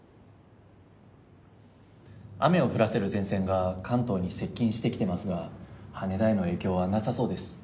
雨を降らせる前線が関東に接近してきてますが羽田への影響はなさそうです。